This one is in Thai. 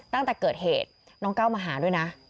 ตั้งแต่เกิดเหตุน้องก้าวมาหาด้วยนะ